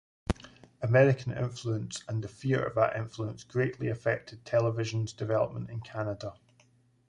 American influence and the fear of that influence greatly affected television's development in Canada.